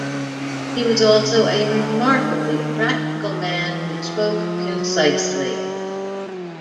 He was also a remarkably practical man who spoke concisely.